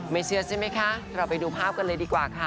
เชื่อใช่ไหมคะเราไปดูภาพกันเลยดีกว่าค่ะ